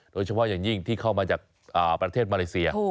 โดยเฉพาะอย่างยิ่งที่เข้ามาจากประเทศมาเลเซีย